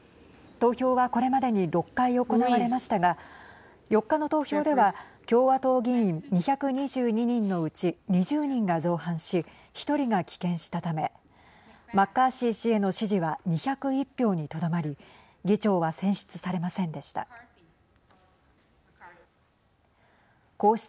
投票はこれまでに６回行われましたが４日の投票では共和党議員２２２人のうち２０人が造反し１人が棄権したためマッカーシー氏への支持は２０１票にとどまり議長は選出されませんでした。